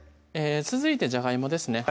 続いてじゃがいもですね